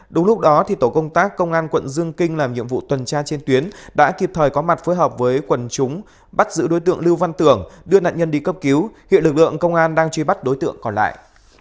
đúng lúc đó tổ công tác công an quận dương kinh làm nhiệm vụ tuần tra trên tuyến đã kịp thời có mặt phối hợp với quần chúng bắt giữ đối tượng lưu văn tưởng đưa nạn nhân đi cấp cứu hiện lực lượng công an đang truy bắt đối tượng còn lại